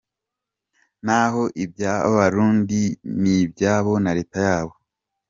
Naho iby, Abarundi nibyabo na Leta yabo.